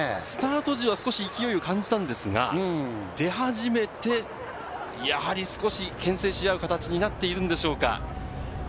スタート時は少し勢いを感じたんですが出始めて、やはり少し牽制し合う形になっているんでしょうか。